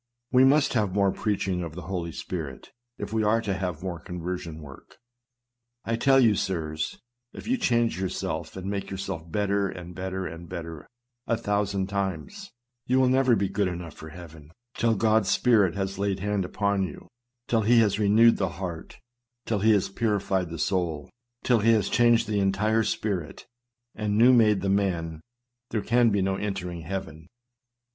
We must have 250 SERMONS. more preaching of the Holy Spirit, if we are to have more conversion work. I tell you, sirs, if you change yourselves, and make yourselves better, and better, and better, a thousand times, you will never be good enough for heaven, till God's Spirit has laid his hand upon you ; till he has renewed the heart, till he has purified the soul, till he has changed the entire spirit and new made the man, there can be no entering heaven.